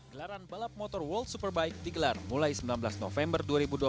gelaran balap motor world superbike digelar mulai sembilan belas november dua ribu dua puluh